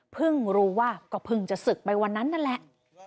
รู้ว่าก็เพิ่งจะศึกไปวันนั้นนั่นแหละ